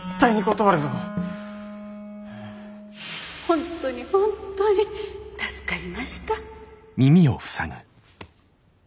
本当に本当に助かりました。